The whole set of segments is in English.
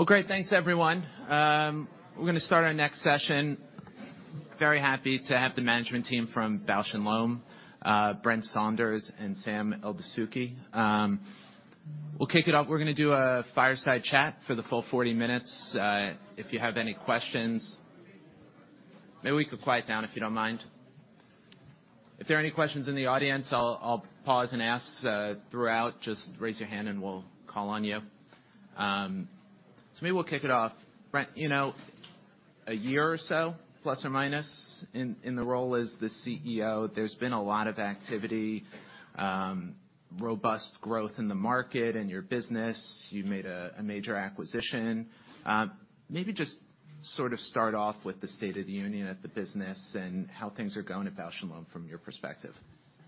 Well, great. Thanks, everyone. We're gonna start our next session. Very happy to have the management team from Bausch + Lomb, Brent Saunders and Sam Eldessouky. We'll kick it off. We're gonna do a fireside chat for the full 40 minutes. If you have any questions. Maybe we could quiet down, if you don't mind. If there are any questions in the audience, I'll pause and ask throughout. Just raise your hand, and we'll call on you. So maybe we'll kick it off. Brent, you know, a year or so, plus or minus, in the role as the CEO, there's been a lot of activity, robust growth in the market and your business. You made a major acquisition. Maybe just sort of start off with the state of the union at the business and how things are going at Bausch + Lomb from your perspective.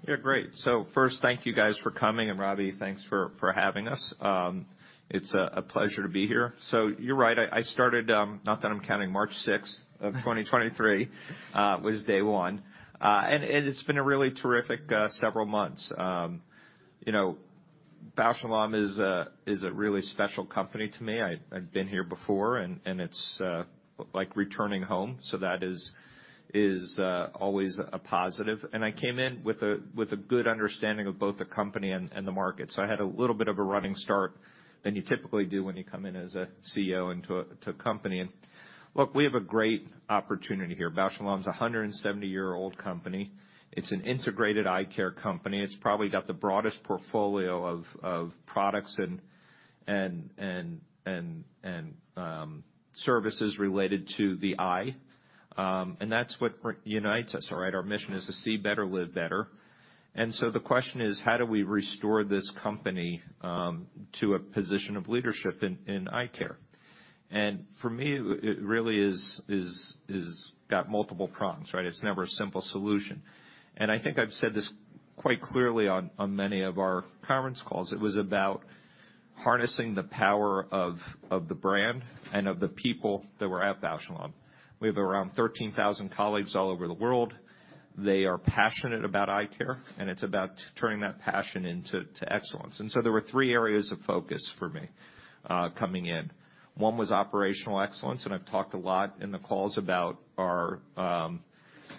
Yeah, great. So first, thank you, guys, for coming, and Robbie, thanks for having us. It's a pleasure to be here. So you're right, I started, not that I'm counting, March 6th of 2023, was day one. And it's been a really terrific several months. You know, Bausch + Lomb is a really special company to me. I'd been here before, and it's like returning home, so that is always a positive. And I came in with a good understanding of both the company and the market, so I had a little bit of a running start than you typically do when you come in as a CEO into a company. Look, we have a great opportunity here. Bausch + Lomb is a 170-year-old company. It's an integrated eye care company. It's probably got the broadest portfolio of products and services related to the eye, and that's what unites us, all right? Our mission is to see better, live better. And so the question is, how do we restore this company to a position of leadership in eye care? And for me, it really is got multiple prongs, right? It's never a simple solution. And I think I've said this quite clearly on many of our conference calls. It was about harnessing the power of the brand and of the people that were at Bausch + Lomb. We have around 13,000 colleagues all over the world. They are passionate about eye care, and it's about turning that passion into excellence. There were three areas of focus for me, coming in. One was operational excellence, and I've talked a lot in the calls about our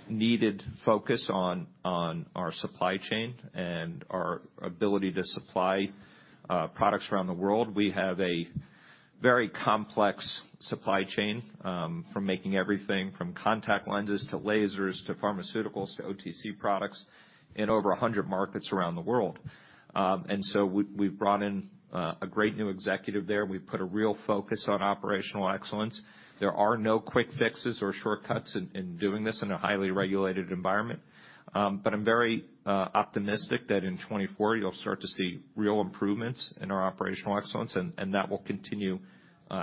needed focus on our supply chain and our ability to supply products around the world. We have a very complex supply chain, from making everything from contact lenses to lasers, to pharmaceuticals, to OTC products in over 100 markets around the world. And so we, we've brought in a great new executive there. We've put a real focus on operational excellence. There are no quick fixes or shortcuts in doing this in a highly regulated environment, but I'm very optimistic that in 2024 you'll start to see real improvements in our operational excellence, and that will continue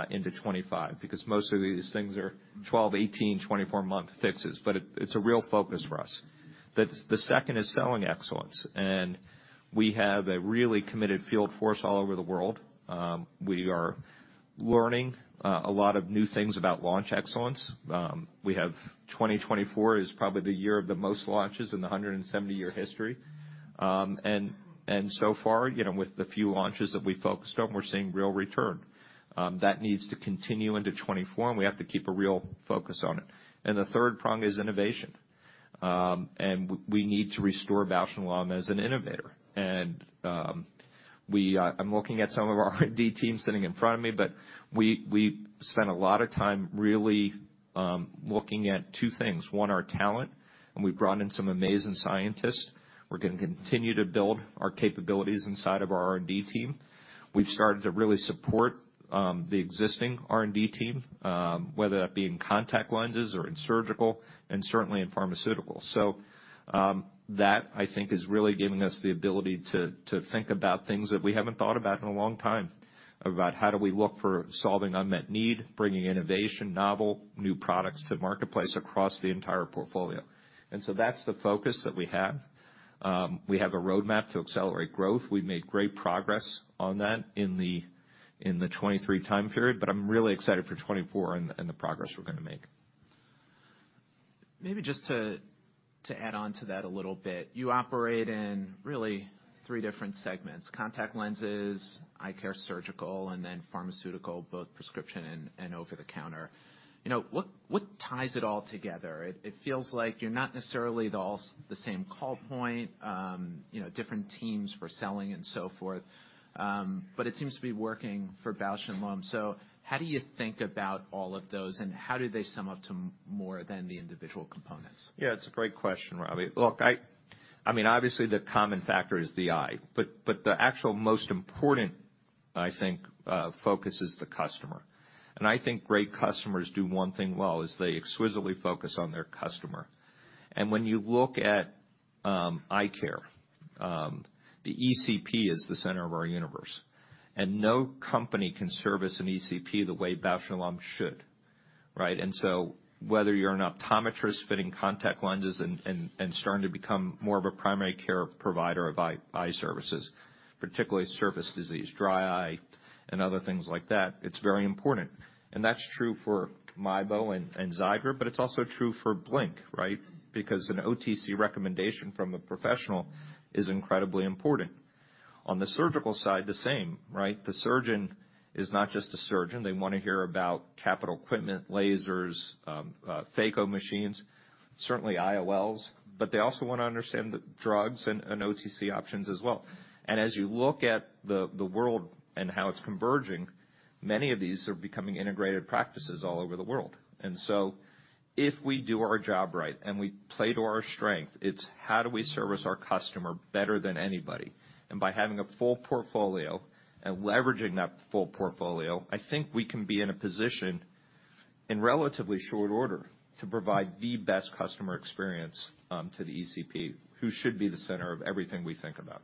into 2025, because most of these things are 12, 18, 24-month fixes, but it's a real focus for us. The second is selling excellence, and we have a really committed field force all over the world. We are learning a lot of new things about launch excellence. We have 2024 is probably the year of the most launches in the 170-year history. And so far, you know, with the few launches that we focused on, we're seeing real return. That needs to continue into 2024, and we have to keep a real focus on it. And the third prong is innovation. And we need to restore Bausch + Lomb as an innovator. I'm looking at some of our R&D team sitting in front of me, but we spent a lot of time really looking at two things. One, our talent, and we've brought in some amazing scientists. We're gonna continue to build our capabilities inside of our R&D team. We've started to really support the existing R&D team, whether that be in contact lenses or in surgical, and certainly in pharmaceuticals. So, that, I think, is really giving us the ability to think about things that we haven't thought about in a long time, about how do we look for solving unmet need, bringing innovation, novel, new products to the marketplace across the entire portfolio. And so that's the focus that we have. We have a roadmap to accelerate growth. We've made great progress on that in the 2023 time period, but I'm really excited for 2024 and the progress we're gonna make. Maybe just to add on to that a little bit. You operate in really three different segments, contact lenses, eye care surgical, and then pharmaceutical, both prescription and over-the-counter. You know, what ties it all together? It feels like you're not necessarily all the same call point, you know, different teams for selling and so forth. But it seems to be working for Bausch + Lomb. So how do you think about all of those, and how do they sum up to more than the individual components? Yeah, it's a great question, Robbie. Look, I mean, obviously the common factor is the eye, but, but the actual most important, I think, focus is the customer. And I think great customers do one thing well, is they exquisitely focus on their customer. And when you look at eye care, the ECP is the center of our universe, and no company can service an ECP the way Bausch + Lomb should, right? And so whether you're an optometrist fitting contact lenses and starting to become more of a primary care provider of eye services, particularly surface disease, dry eye, and other things like that, it's very important. And that's true for MIEBO and Xiidra, but it's also true for Blink, right? Because an OTC recommendation from a professional is incredibly important. On the surgical side, the same, right? The surgeon is not just a surgeon. They wanna hear about capital equipment, lasers, phaco machines, certainly IOLs, but they also wanna understand the drugs and OTC options as well. And as you look at the world and how it's converging, many of these are becoming integrated practices all over the world. And so if we do our job right and we play to our strength, it's how do we service our customer better than anybody? And by having a full portfolio and leveraging that full portfolio, I think we can be in a position, in relatively short order, to provide the best customer experience to the ECP, who should be the center of everything we think about.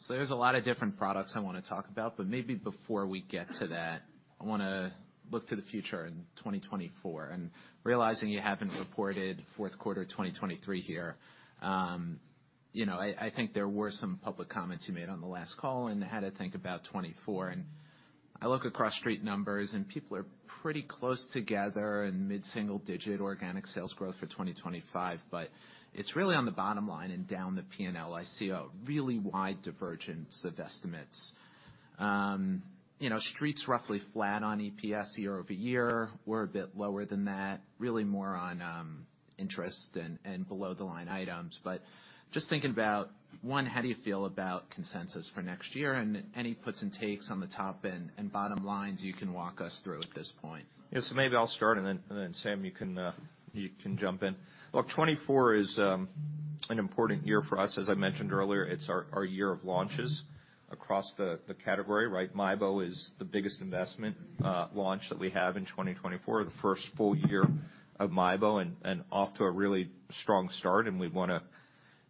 So there's a lot of different products I wanna talk about, but maybe before we get to that, I wanna look to the future in 2024. Realizing you haven't reported fourth quarter 2023 here, you know, I think there were some public comments you made on the last call and how to think about 2024. I look across street numbers, and people are pretty close together in mid-single digit organic sales growth for 2025, but it's really on the bottom line and down the P&L, I see a really wide divergence of estimates. You know, street's roughly flat on EPS year-over-year. We're a bit lower than that, really more on interest and below the line items. But just thinking about, one, how do you feel about consensus for next year? Any puts and takes on the top and bottom lines you can walk us through at this point. Yes, so maybe I'll start, and then, Sam, you can jump in. Look, 2024 is an important year for us. As I mentioned earlier, it's our year of launches across the category, right? MIEBO is the biggest investment launch that we have in 2024, the first full year of MIEBO, and off to a really strong start, and we wanna...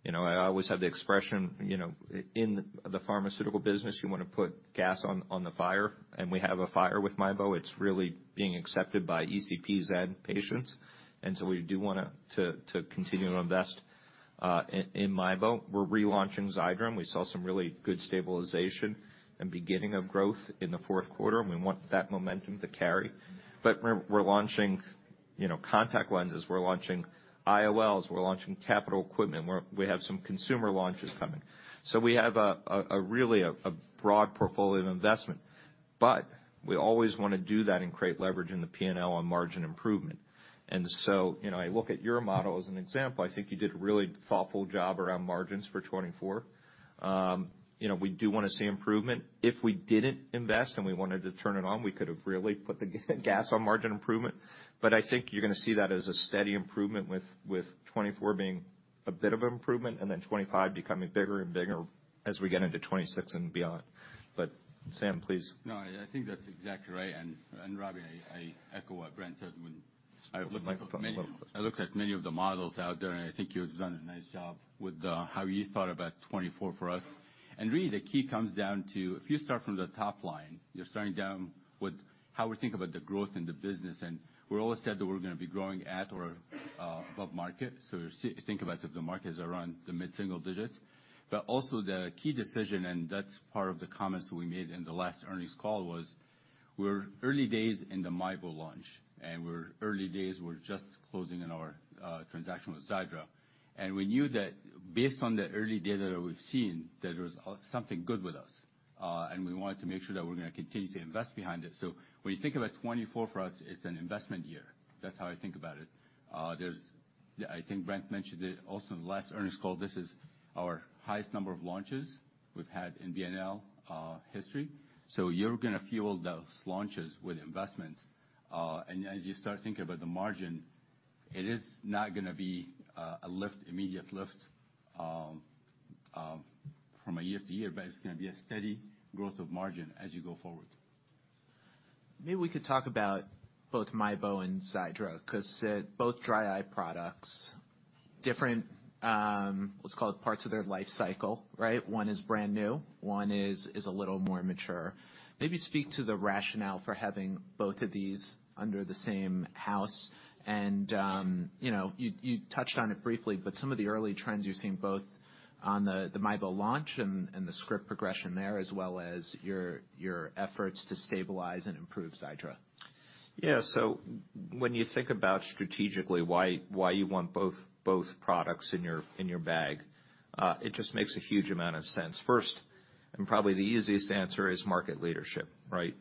You know, I always have the expression, you know, in the pharmaceutical business, you wanna put gas on the fire, and we have a fire with MIEBO. It's really being accepted by ECPs and patients, and so we do wanna to continue to invest in MIEBO. We're relaunching Xiidra, and we saw some really good stabilization and beginning of growth in the fourth quarter, and we want that momentum to carry. But we're launching, you know, contact lenses, we're launching IOLs, we're launching capital equipment. We have some consumer launches coming. So we have a really broad portfolio of investment, but we always wanna do that and create leverage in the P&L on margin improvement. And so, you know, I look at your model as an example. I think you did a really thoughtful job around margins for 2024. You know, we do wanna see improvement. If we didn't invest and we wanted to turn it on, we could have really put the gas on margin improvement. But I think you're gonna see that as a steady improvement with 2024 being a bit of improvement and then 2025 becoming bigger and bigger as we get into 2026 and beyond. But Sam, please. No, I think that's exactly right. And, Robbie, I echo what Brent said when- I would like to talk a little bit. I looked at many of the models out there, and I think you've done a nice job with how you thought about 2024 for us. And really, the key comes down to if you start from the top line, you're starting down with how we think about the growth in the business, and we're always said that we're gonna be growing at or above market. So think about if the market is around the mid-single digits. But also the key decision, and that's part of the comments we made in the last earnings call, was we're early days in the MIEBO launch, and we're early days, we're just closing in our transaction with Xiidra. And we knew that based on the early data that we've seen, that there was something good with us, and we wanted to make sure that we're gonna continue to invest behind it. So when you think about 2024, for us, it's an investment year. That's how I think about it. There's... I think Brent mentioned it also in the last earnings call, this is our highest number of launches we've had in B&L, history. So you're gonna fuel those launches with investments. And as you start thinking about the margin, it is not gonna be a lift, immediate lift, from a year to year, but it's gonna be a steady growth of margin as you go forward. Maybe we could talk about both MIEBO and Xiidra, 'cause both dry eye products, different, let's call it, parts of their life cycle, right? One is brand new, one is a little more mature. Maybe speak to the rationale for having both of these under the same house and, you know, you touched on it briefly, but some of the early trends you're seeing both on the MIEBO launch and the script progression there, as well as your efforts to stabilize and improve Xiidra. Yeah, so when you think about strategically why you want both products in your bag, it just makes a huge amount of sense. First, and probably the easiest answer is market leadership, right?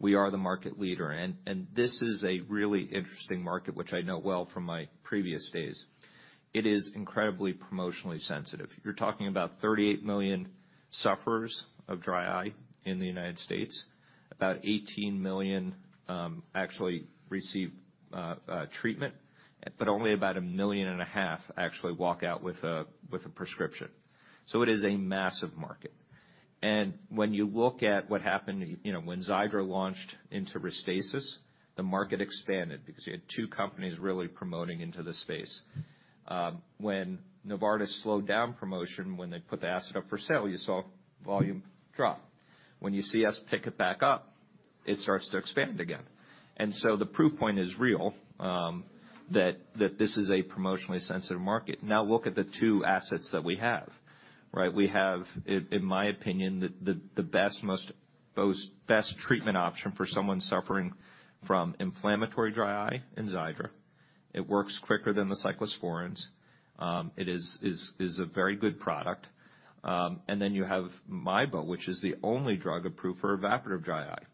We are the market leader, and this is a really interesting market, which I know well from my previous days. It is incredibly promotionally sensitive. You're talking about 38 million sufferers of dry eye in the United States. About 18 million actually receive treatment, but only about 1.5 million actually walk out with a prescription. So it is a massive market. And when you look at what happened, you know, when Xiidra launched into Restasis, the market expanded because you had two companies really promoting into the space. When Novartis slowed down promotion, when they put the asset up for sale, you saw volume drop. When you see us pick it back up, it starts to expand again. And so the proof point is real, that this is a promotionally sensitive market. Now, look at the two assets that we have, right? We have, in my opinion, the best treatment option for someone suffering from inflammatory dry eye in Xiidra. It works quicker than the cyclosporines. It is a very good product. And then you have MIEBO, which is the only drug approved for evaporative dry eye.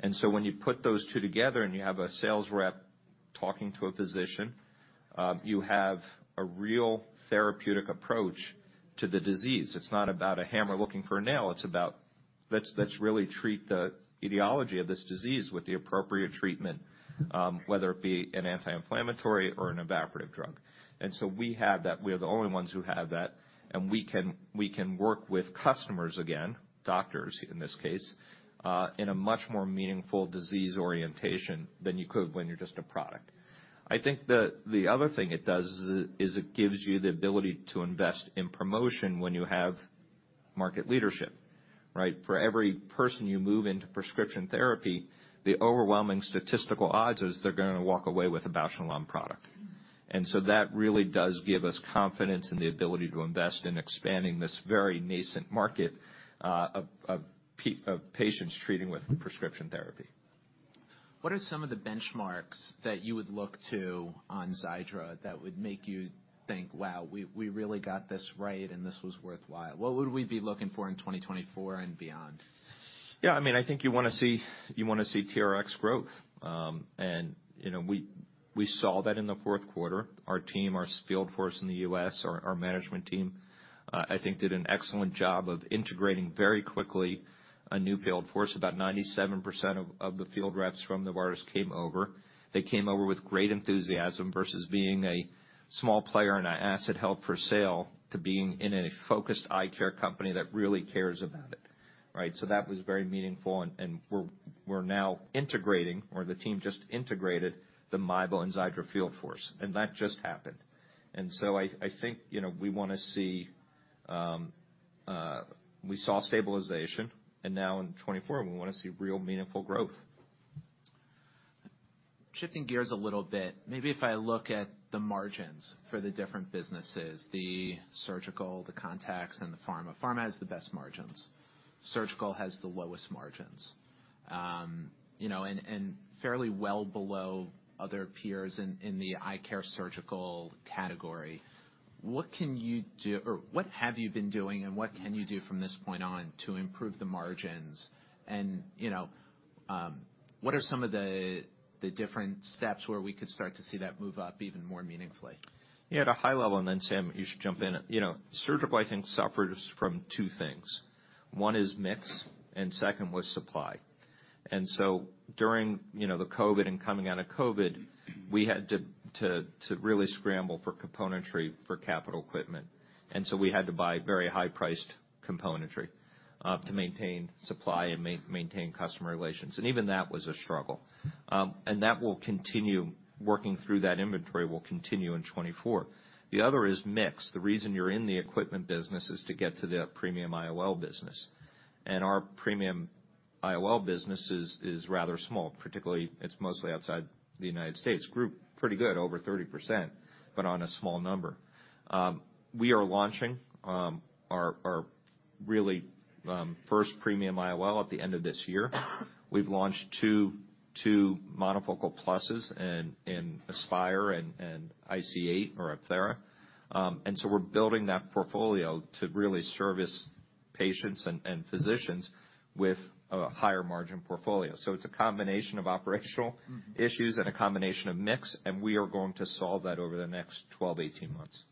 And so when you put those two together and you have a sales rep talking to a physician, you have a real therapeutic approach to the disease. It's not about a hammer looking for a nail. It's about, let's really treat the etiology of this disease with the appropriate treatment, whether it be an anti-inflammatory or an evaporative drug. And so we have that. We are the only ones who have that, and we can work with customers again, doctors, in this case, in a much more meaningful disease orientation than you could when you're just a product. I think the other thing it does is it gives you the ability to invest in promotion when you have market leadership, right? For every person you move into prescription therapy, the overwhelming statistical odds is they're gonna walk away with a Bausch + Lomb product. And so that really does give us confidence in the ability to invest in expanding this very nascent market of patients treating with prescription therapy. What are some of the benchmarks that you would look to on Xiidra that would make you think, "Wow, we, we really got this right, and this was worthwhile?" What would we be looking for in 2024 and beyond? Yeah, I mean, I think you wanna see, you wanna see TRx growth. And, you know, we, we saw that in the fourth quarter. Our team, our field force in the U.S., our, our management team, I think did an excellent job of integrating very quickly a new field force. About 97% of, of the field reps from Novartis came over. They came over with great enthusiasm, versus being a small player in an asset held for sale, to being in a focused eye care company that really cares about it, right? So that was very meaningful, and, and we're, we're now integrating, or the team just integrated the MIEBO and Xiidra field force, and that just happened. And so I, I think, you know, we wanna see. We saw stabilization, and now in 2024, we wanna see real meaningful growth. Shifting gears a little bit, maybe if I look at the margins for the different businesses, the surgical, the contacts, and the pharma. Pharma has the best margins. Surgical has the lowest margins, you know, and fairly well below other peers in the eye care surgical category. What can you do or what have you been doing, and what can you do from this point on to improve the margins? And, you know, what are some of the different steps where we could start to see that move up even more meaningfully? Yeah, at a high level, and then, Sam, you should jump in. You know, surgical, I think, suffers from two things. One is mix, and second was supply. And so during, you know, the COVID and coming out of COVID, we had to to really scramble for componentry for capital equipment, and so we had to buy very high-priced componentry to maintain supply and maintain customer relations, and even that was a struggle. And that will continue, working through that inventory will continue in 2024. The other is mix. The reason you're in the equipment business is to get to the premium IOL business, and our premium IOL business is rather small. Particularly, it's mostly outside the United States. Grew pretty good, over 30%, but on a small number. We are launching our really first premium IOL at the end of this year. We've launched two monofocal pluses in Aspire and IC-8 Apthera. And so we're building that portfolio to really service patients and physicians with a higher margin portfolio. So it's a combination of operational issues- Mm-hmm. and a combination of mix, and we are going to solve that over the next 12-18 months.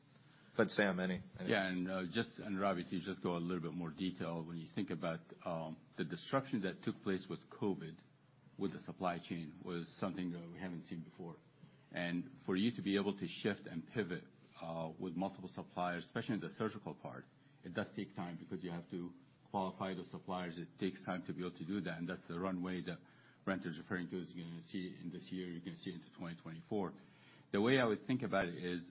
But, Sam, any, any- Yeah, and, just, and Robbie, to just go a little bit more detail, when you think about, the disruption that took place with COVID, with the supply chain, was something that we haven't seen before. And for you to be able to shift and pivot, with multiple suppliers, especially in the surgical part, it does take time because you have to qualify the suppliers. It takes time to be able to do that, and that's the runway that Brent is referring to, as you're gonna see in this year, you're gonna see into 2024. The way I would think about it is,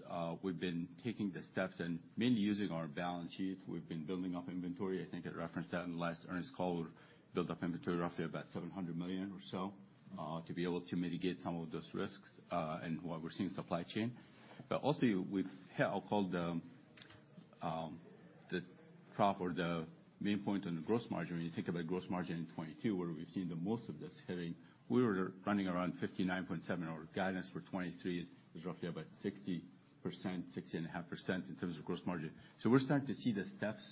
we've been taking the steps and mainly using our balance sheet. We've been building up inventory. I think I referenced that in the last earnings call, built up inventory roughly about $700 million or so- Mm-hmm. To be able to mitigate some of those risks, and what we're seeing in supply chain. But also, we've held, I'll call the, the trough or the main point on the gross margin. When you think about gross margin in 2022, where we've seen the most of this hitting, we were running around 59.7. Our guidance for 2023 is roughly about 60%, 60.5% in terms of gross margin. So we're starting to see the steps,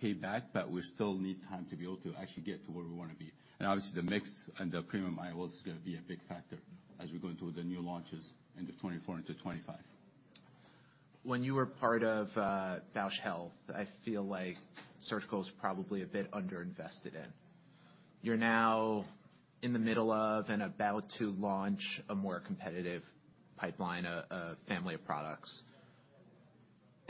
pay back, but we still need time to be able to actually get to where we wanna be. And obviously, the mix and the premium IOL is gonna be a big factor as we go into the new launches into 2024 and to 2025. When you were part of Bausch Health, I feel like surgical is probably a bit underinvested in. You're now in the middle of and about to launch a more competitive pipeline, a family of products.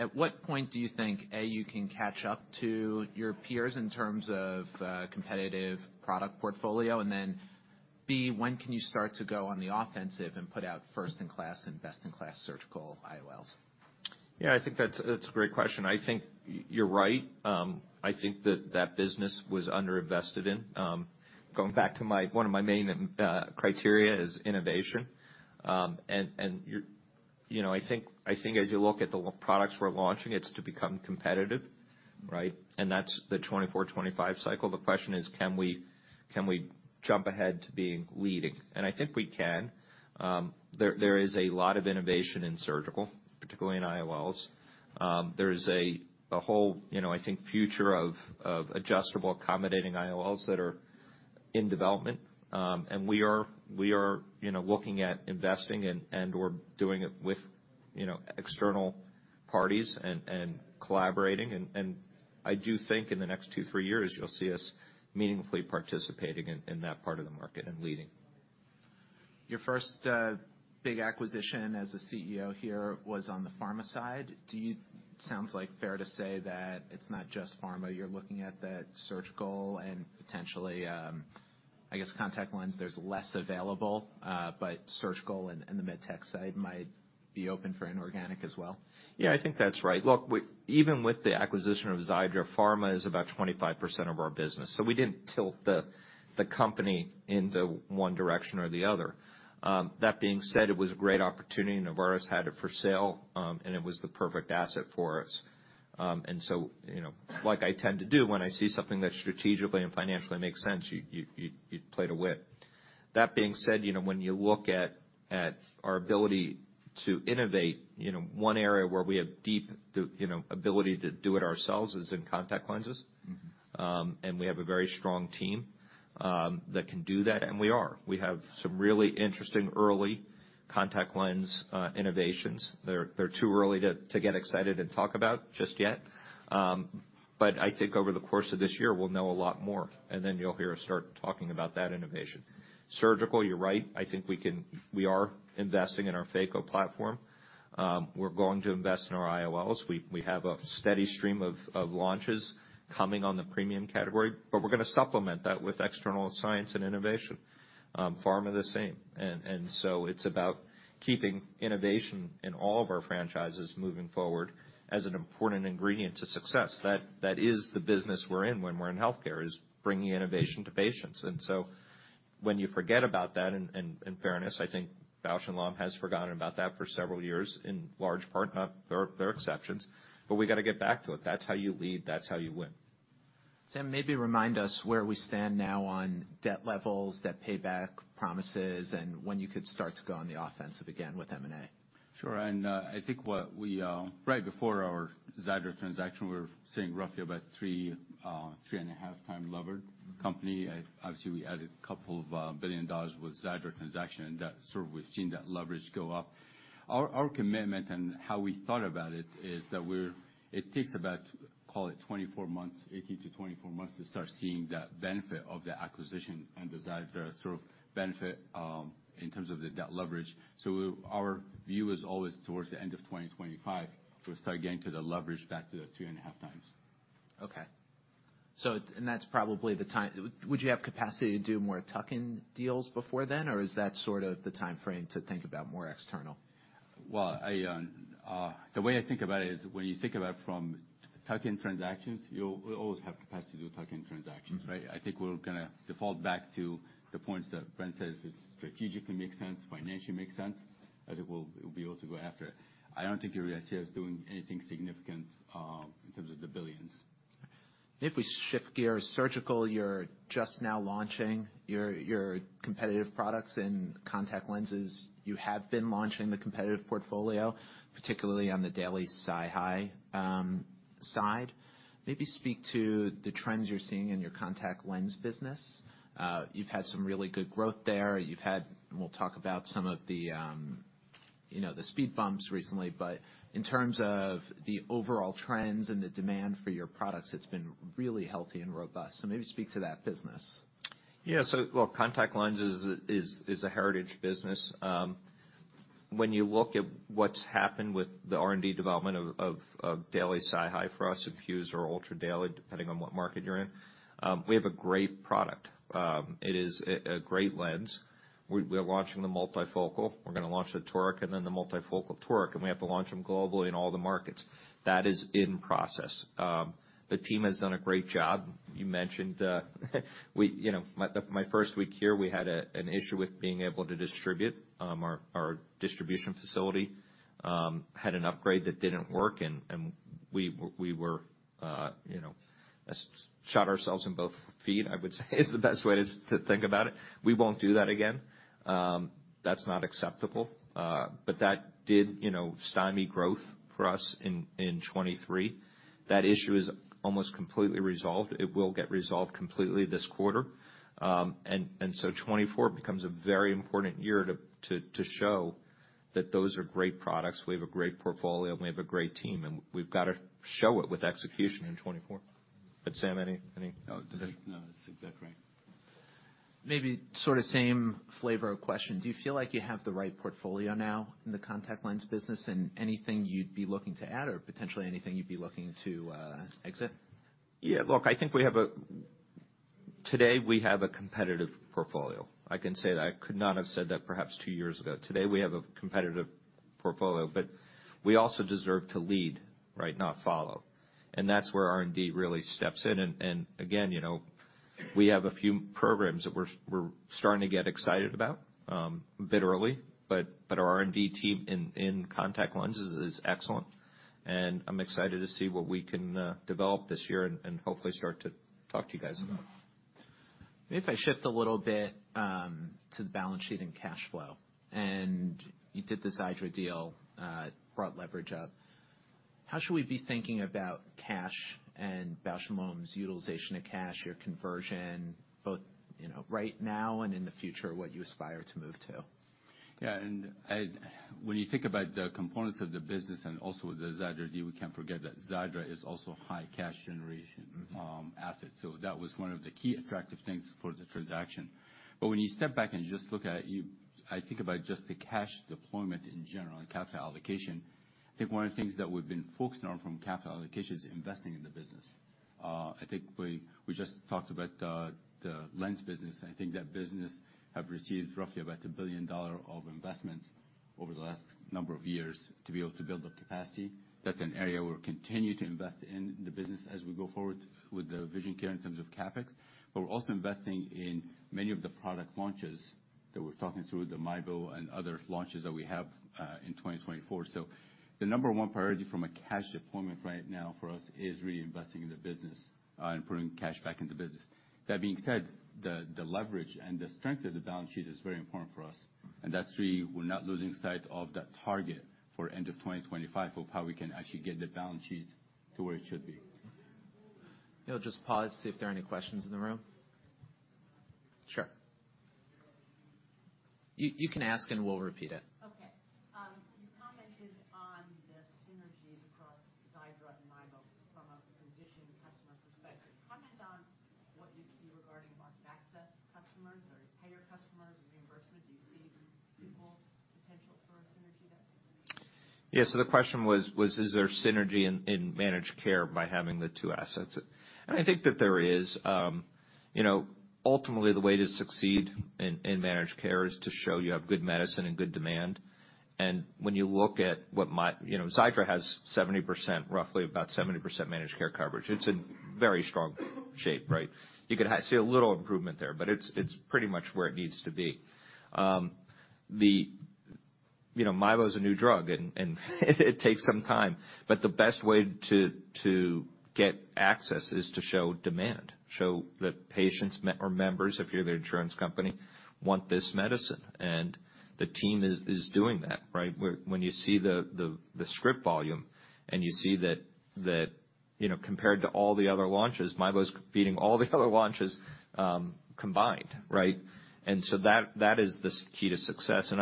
At what point do you think, A, you can catch up to your peers in terms of competitive product portfolio, and then, B, when can you start to go on the offensive and put out first-in-class and best-in-class surgical IOLs? Yeah, I think that's, that's a great question. I think you're right. I think that business was underinvested in. Going back to my, one of my main criteria is innovation. And you know, I think as you look at the products we're launching, it's to become competitive... right? And that's the 2024, 2025 cycle. The question is, can we jump ahead to being leading? And I think we can. There is a lot of innovation in surgical, particularly in IOLs. There is a whole, you know, I think, future of adjustable accommodating IOLs that are in development. And we are you know, looking at investing and/or doing it with you know, external parties and collaborating. And I do think in the next two-three years, you'll see us meaningfully participating in that part of the market and leading. Your first big acquisition as a CEO here was on the pharma side. Sounds like fair to say that it's not just pharma, you're looking at that surgical and potentially, I guess, contact lens, there's less available, but surgical and, and the med tech side might be open for inorganic as well? Yeah, I think that's right. Look, we even with the acquisition of Xiidra, pharma is about 25% of our business, so we didn't tilt the company into one direction or the other. That being said, it was a great opportunity. Novartis had it for sale, and it was the perfect asset for us. And so, you know, like I tend to do, when I see something that strategically and financially makes sense, you play to win. That being said, you know, when you look at our ability to innovate, you know, one area where we have deep ability to do it ourselves is in contact lenses. Mm-hmm. We have a very strong team that can do that, and we are. We have some really interesting early contact lens innovations. They're too early to get excited and talk about just yet. But I think over the course of this year, we'll know a lot more, and then you'll hear us start talking about that innovation. Surgical, you're right. I think we are investing in our phaco platform. We're going to invest in our IOLs. We have a steady stream of launches coming on the premium category, but we're gonna supplement that with external science and innovation. Pharma, the same. And so it's about keeping innovation in all of our franchises moving forward as an important ingredient to success. That is the business we're in when we're in healthcare, is bringing innovation to patients. And so when you forget about that, in fairness, I think Bausch + Lomb has forgotten about that for several years, in large part, not, there are exceptions, but we got to get back to it. That's how you lead, that's how you win. Sam, maybe remind us where we stand now on debt levels, debt payback promises, and when you could start to go on the offensive again with M&A. Sure, and I think what we right before our Xiidra transaction, we were seeing roughly about 3.5 times levered company. Obviously, we added $2 billion with Xiidra transaction, and that sort of, we've seen that leverage go up. Our commitment and how we thought about it is that we're—it takes about, call it 24 months, 18-24 months, to start seeing that benefit of the acquisition on Xiidra, sort of benefit, in terms of the debt leverage. So our view is always towards the end of 2025, we'll start getting to the leverage back to the 2.5 times. Okay. So, and that's probably the time... Would you have capacity to do more tuck-in deals before then, or is that sort of the timeframe to think about more external? Well, I, the way I think about it is, when you think about from tuck-in transactions, you'll, we always have capacity to do tuck-in transactions, right? Mm-hmm. I think we're gonna default back to the points that Brent says, if it strategically makes sense, financially makes sense, I think we'll be able to go after it. I don't think you're gonna see us doing anything significant in terms of the billions. If we shift gears, surgical, you're just now launching your, your competitive products, and contact lenses, you have been launching the competitive portfolio, particularly on the daily SiHy side. Maybe speak to the trends you're seeing in your contact lens business. You've had some really good growth there. You've had, and we'll talk about some of the, you know, the speed bumps recently, but in terms of the overall trends and the demand for your products, it's been really healthy and robust, so maybe speak to that business. Yeah. So, well, contact lenses is a heritage business. When you look at what's happened with the R&D development of daily SiHy for us, INFUSE or ULTRA Daily, depending on what market you're in, we have a great product. It is a great lens. We're launching the multifocal. We're gonna launch the toric and then the multifocal toric, and we have to launch them globally in all the markets. That is in process. The team has done a great job. You mentioned, we, you know, my first week here, we had an issue with being able to distribute. Our distribution facility had an upgrade that didn't work, and we were, you know, shot ourselves in both feet, I would say, is the best way to think about it. We won't do that again. That's not acceptable. But that did, you know, stymie growth for us in 2023. That issue is almost completely resolved. It will get resolved completely this quarter. And so 2024 becomes a very important year to show that those are great products, we have a great portfolio, and we have a great team, and we've got to show it with execution in 2024. But Sam, any additions? No, that's exactly right. Maybe sort of same flavor of question: Do you feel like you have the right portfolio now in the contact lens business, and anything you'd be looking to add or potentially anything you'd be looking to exit? Yeah, look, I think we have a... Today, we have a competitive portfolio. I can say that. I could not have said that perhaps two years ago. Today, we have a competitive portfolio, but we also deserve to lead, right, not follow. And that's where R&D really steps in, and again, you know, we have a few programs that we're starting to get excited about a bit early, but our R&D team in contact lenses is excellent, and I'm excited to see what we can develop this year and hopefully start to talk to you guys about.... Maybe if I shift a little bit to the balance sheet and cash flow. And you did the Xiidra deal, brought leverage up. How should we be thinking about cash and Bausch + Lomb's utilization of cash, your conversion, both, you know, right now and in the future, what you aspire to move to? Yeah, and when you think about the components of the business and also the Xiidra deal, we can't forget that Xiidra is also high cash generation asset. So that was one of the key attractive things for the transaction. But when you step back and just look at it, you, I think about just the cash deployment in general and capital allocation. I think one of the things that we've been focusing on from capital allocation is investing in the business. I think we just talked about the lens business. I think that business have received roughly about $1 billion of investments over the last number of years to be able to build up capacity. That's an area we'll continue to invest in the business as we go forward with the vision care in terms of CapEx. But we're also investing in many of the product launches that we're talking through, the MIEBO and other launches that we have in 2024. So the number one priority from a cash deployment right now for us is reinvesting in the business and putting cash back in the business. That being said, the leverage and the strength of the balance sheet is very important for us, and that's really we're not losing sight of that target for end of 2025 of how we can actually get the balance sheet to where it should be. I'll just pause, see if there are any questions in the room. Sure. You can ask, and we'll repeat it. Okay. You commented on the synergies across Xiidra and MIEBO from a physician customer perspective. Comment on what you see regarding market access customers or payer customers and reimbursement. Do you see equal potential for a synergy there? Yeah. So the question was, was there synergy in managed care by having the two assets? And I think that there is. You know, ultimately, the way to succeed in managed care is to show you have good medicine and good demand. And when you look at what. You know, Xiidra has 70%, roughly about 70% managed care coverage. It's in very strong shape, right? You could see a little improvement there, but it's pretty much where it needs to be. You know, MIEBO is a new drug, and it takes some time, but the best way to get access is to show demand, show that patients or members, if you're the insurance company, want this medicine, and the team is doing that, right? When you see the script volume, and you see that, you know, compared to all the other launches, MIEBO is beating all the other launches combined, right? And so that is the key to success.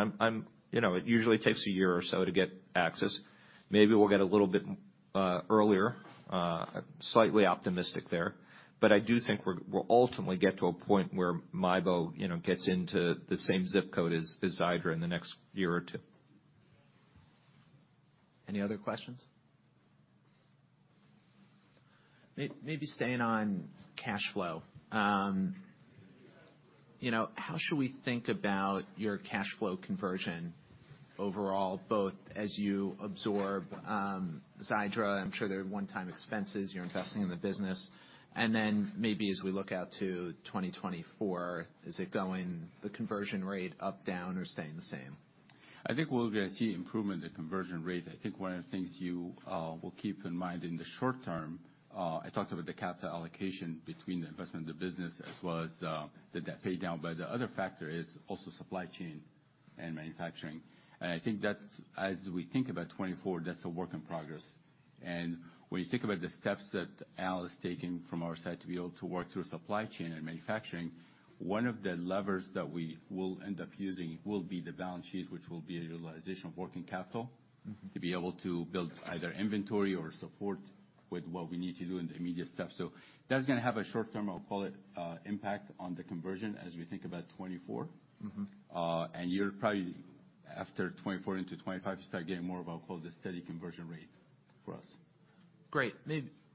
You know, it usually takes a year or so to get access. Maybe we'll get a little bit earlier, slightly optimistic there, but I do think we'll ultimately get to a point where MIEBO, you know, gets into the same zip code as Xiidra in the next year or two. Any other questions? Maybe staying on cash flow. You know, how should we think about your cash flow conversion overall, both as you absorb Xiidra? I'm sure there are one-time expenses. You're investing in the business. And then maybe as we look out to 2024, is it going, the conversion rate, up, down, or staying the same? I think we're gonna see improvement in conversion rate. I think one of the things you will keep in mind in the short term, I talked about the capital allocation between the investment of the business as well as, the debt pay down. But the other factor is also supply chain and manufacturing. And I think that's, as we think about 2024, that's a work in progress. And when you think about the steps that Al has taken from our side to be able to work through supply chain and manufacturing, one of the levers that we will end up using will be the balance sheet, which will be a utilization of working capital- Mm-hmm. to be able to build either inventory or support with what we need to do in the immediate stuff. So that's gonna have a short-term, I'll call it, impact on the conversion as we think about 2024. Mm-hmm. You're probably after 2024 into 2025, you start getting more of, I'll call it, the steady conversion rate for us. Great.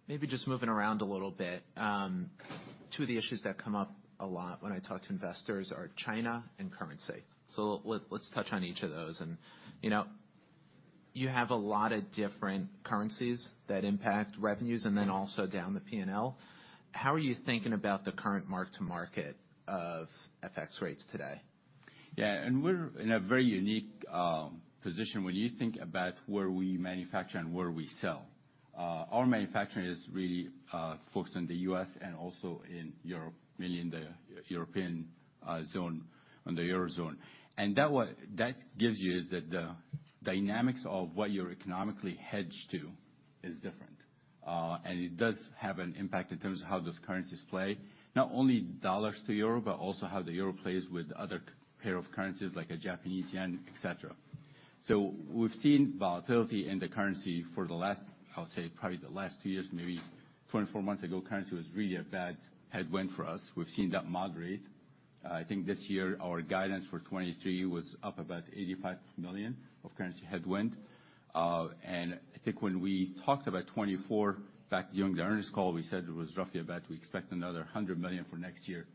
Maybe just moving around a little bit. Two of the issues that come up a lot when I talk to investors are China and currency. So let's touch on each of those. And, you know, you have a lot of different currencies that impact revenues and then also down the P&L. How are you thinking about the current mark to market of FX rates today? Yeah, and we're in a very unique position when you think about where we manufacture and where we sell. Our manufacturing is really focused in the U.S. and also in Europe, mainly in the European zone, on the Eurozone. And that gives you is that the dynamics of what you're economically hedged to is different, and it does have an impact in terms of how those currencies play, not only dollars to euro, but also how the euro plays with other pair of currencies, like a Japanese yen, et cetera. So we've seen volatility in the currency for the last, I'll say, probably the last two years, maybe 24 months ago, currency was really a bad headwind for us. We've seen that moderate. I think this year, our guidance for 2023 was up about $85 million of currency headwind. And I think when we talked about 2024 back during the earnings call, we said it was roughly about we expect another $100 million for next year.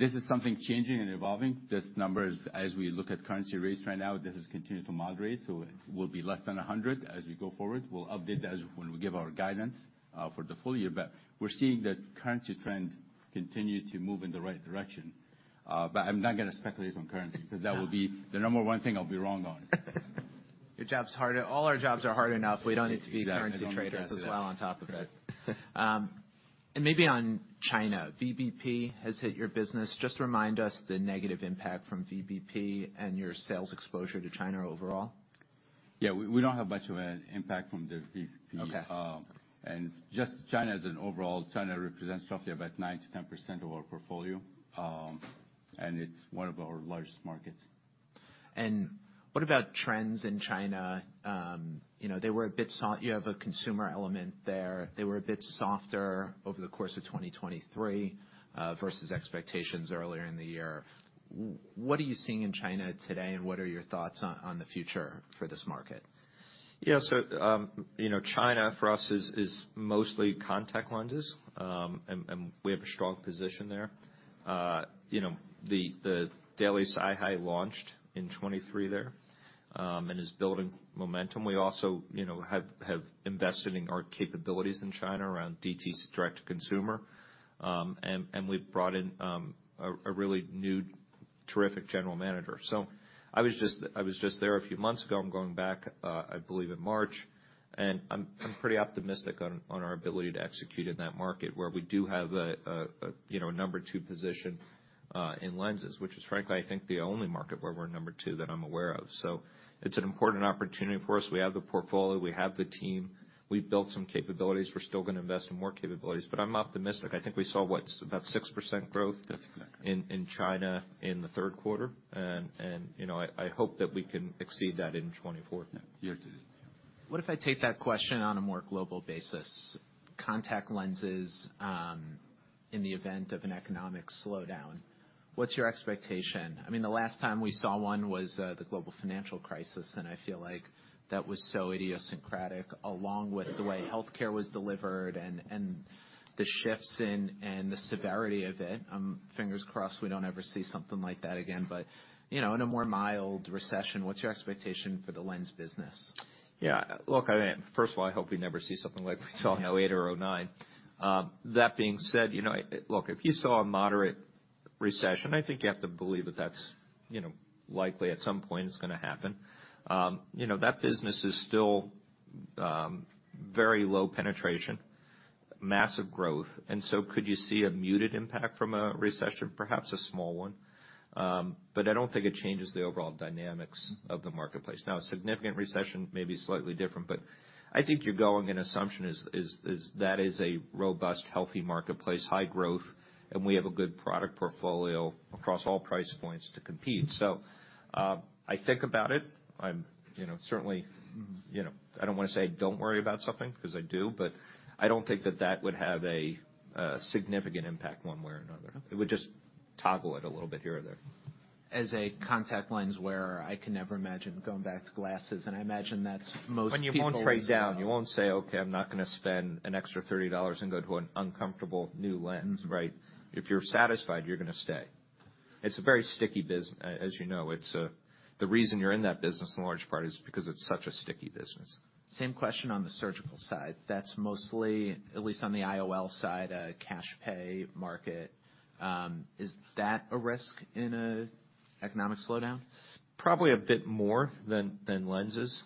This is something changing and evolving. This number is, as we look at currency rates right now, this has continued to moderate, so it will be less than $100 million as we go forward. We'll update that as when we give our guidance for the full year, but we're seeing that currency trend continue to move in the right direction. But I'm not gonna speculate on currency, because that will be the number one thing I'll be wrong on. Your job's harder. All our jobs are hard enough. We don't need to be currency traders as well on top of it. And maybe on China, VBP has hit your business. Just remind us the negative impact from VBP and your sales exposure to China overall. Yeah, we don't have much of an impact from the VBP. Okay. Just China as an overall, China represents roughly about 9%-10% of our portfolio, and it's one of our largest markets. What about trends in China? You know, they were a bit. You have a consumer element there. They were a bit softer over the course of 2023 versus expectations earlier in the year. What are you seeing in China today, and what are your thoughts on the future for this market? Yeah. So, you know, China, for us, is mostly contact lenses, and we have a strong position there. You know, the daily SiHy launched in 2023 there, and is building momentum. We also, you know, have invested in our capabilities in China around DTC, direct-to-consumer. And we've brought in a really new, terrific general manager. So I was just there a few months ago. I'm going back, I believe, in March, and I'm pretty optimistic on our ability to execute in that market, where we do have a, you know, number two position in lenses, which is, frankly, I think the only market where we're number two, that I'm aware of. So it's an important opportunity for us. We have the portfolio, we have the team, we've built some capabilities. We're still gonna invest in more capabilities, but I'm optimistic. I think we saw, what, about 6% growth- That's correct. In China in the third quarter, and you know, I hope that we can exceed that in 2024. Yeah. Here today. What if I take that question on a more global basis? Contact lenses, in the event of an economic slowdown, what's your expectation? I mean, the last time we saw one was the global financial crisis, and I feel like that was so idiosyncratic, along with the way healthcare was delivered and the shifts and the severity of it. Fingers crossed, we don't ever see something like that again, but, you know, in a more mild recession, what's your expectation for the lens business? Yeah. Look, I mean, first of all, I hope we never see something like we saw in 2008 or 2009. That being said, you know, look, if you saw a moderate recession, I think you have to believe that that's, you know, likely at some point is gonna happen. You know, that business is still, very low penetration, massive growth, and so could you see a muted impact from a recession? Perhaps a small one. But I don't think it changes the overall dynamics of the marketplace. Now, a significant recession may be slightly different, but I think your going assumption is that is a robust, healthy marketplace, high growth, and we have a good product portfolio across all price points to compete. So, I think about it. I'm, you know, certainly- Mm-hmm. You know, I don't wanna say don't worry about something, 'cause I do, but I don't think that that would have a significant impact one way or another. It would just toggle it a little bit here or there. As a contact lens wearer, I can never imagine going back to glasses, and I imagine that's most- When you won't trade down, you won't say, "Okay, I'm not gonna spend an extra $30 and go to an uncomfortable new lens," right? If you're satisfied, you're gonna stay. It's a very sticky business. As you know, it's a... The reason you're in that business, in large part, is because it's such a sticky business. Same question on the surgical side. That's mostly, at least on the IOL side, a cash pay market. Is that a risk in an economic slowdown? Probably a bit more than, than lenses,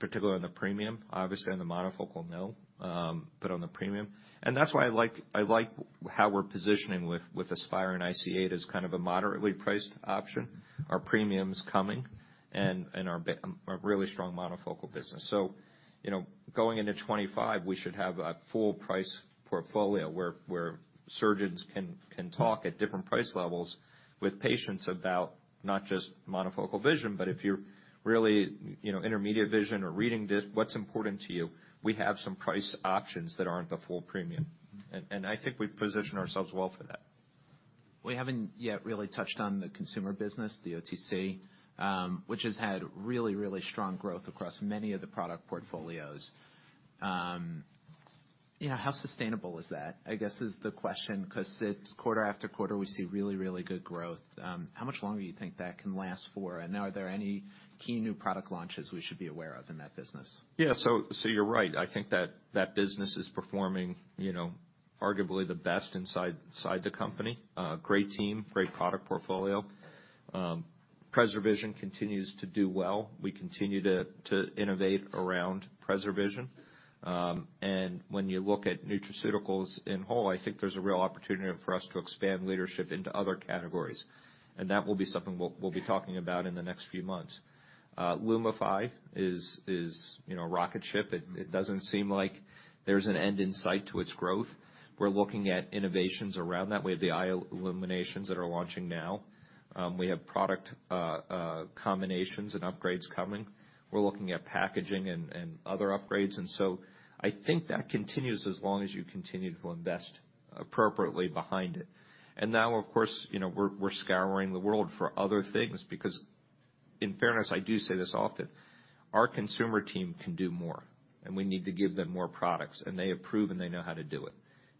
particularly on the premium. Obviously, on the monofocal, no, but on the premium. And that's why I like, I like how we're positioning with, with Aspire and IC-8 as kind of a moderately priced option. Our premium is coming and, and our but a really strong monofocal business. So, you know, going into 2025, we should have a full price portfolio, where, where surgeons can, can talk at different price levels with patients about not just monofocal vision, but if you're really, you know, intermediate vision or reading this, what's important to you? We have some price options that aren't the full premium, and, and I think we've positioned ourselves well for that. We haven't yet really touched on the consumer business, the OTC, which has had really, really strong growth across many of the product portfolios. You know, how sustainable is that? I guess, is the question, 'cause it's quarter after quarter, we see really, really good growth. How much longer do you think that can last for, and are there any key new product launches we should be aware of in that business? Yeah, so you're right. I think that business is performing, you know, arguably the best inside the company. Great team, great product portfolio. PreserVision continues to do well. We continue to innovate around PreserVision. And when you look at nutraceuticals in whole, I think there's a real opportunity for us to expand leadership into other categories, and that will be something we'll be talking about in the next few months. Lumify is, you know, a rocket ship. Mm-hmm. It doesn't seem like there's an end in sight to its growth. We're looking at innovations around that. We have the Eye Illuminations that are launching now. We have product combinations and upgrades coming. We're looking at packaging and other upgrades, and so I think that continues as long as you continue to invest appropriately behind it. And now, of course, you know, we're scouring the world for other things because, in fairness, I do say this often, our consumer team can do more, and we need to give them more products, and they have proven they know how to do it.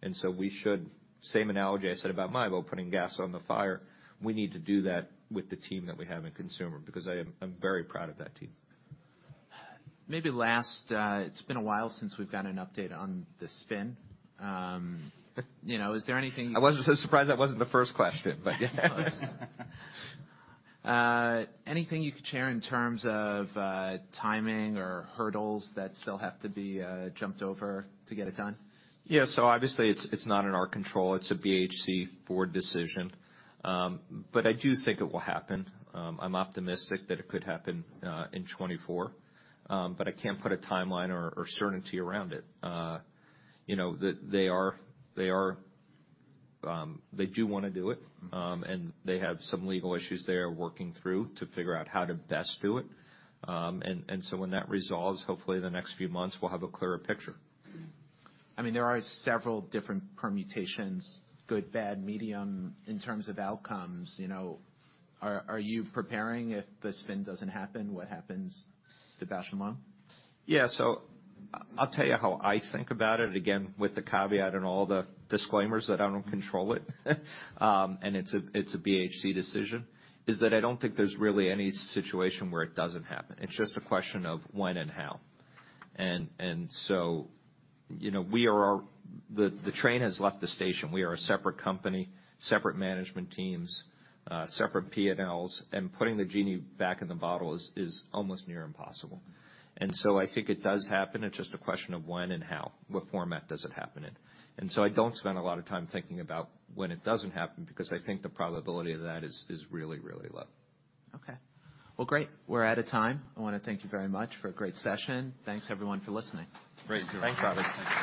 And so we should. Same analogy I said about MIEBO, putting gas on the fire, we need to do that with the team that we have in consumer, because I'm very proud of that team. Maybe last, it's been a while since we've gotten an update on the spin. You know, is there anything- I was just so surprised that wasn't the first question, but yeah. Anything you could share in terms of timing or hurdles that still have to be jumped over to get it done? Yeah. So obviously, it's not in our control. It's a BHC board decision, but I do think it will happen. I'm optimistic that it could happen in 2024, but I can't put a timeline or certainty around it. You know, they do wanna do it- Mm-hmm. And they have some legal issues they are working through to figure out how to best do it. So when that resolves, hopefully, the next few months, we'll have a clearer picture. Mm-hmm. I mean, there are several different permutations, good, bad, medium, in terms of outcomes, you know. Are you preparing if the spin doesn't happen? What happens to Bausch + Lomb? Yeah. So I'll tell you how I think about it, again, with the caveat and all the disclaimers that I don't control it, and it's a BHC decision, is that I don't think there's really any situation where it doesn't happen. It's just a question of when and how. And so, you know, we are—The train has left the station. We are a separate company, separate management teams, separate PNLs, and putting the genie back in the bottle is almost near impossible. And so I think it does happen. It's just a question of when and how, what format does it happen in? And so I don't spend a lot of time thinking about when it doesn't happen, because I think the probability of that is really, really low. Okay. Well, great. We're out of time. I wanna thank you very much for a great session. Thanks, everyone, for listening. Great. Thanks, Robbie.